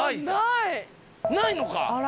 ないのか。